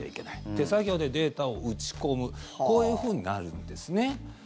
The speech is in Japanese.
手作業でデータを打ち込むこういうふうになるんですね。